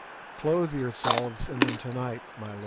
Clothe yourselves in them to night, my lords."